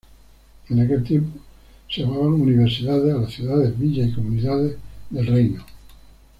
En aquel tiempo se llamaban universidades a las ciudades, villas y comunidades del reino.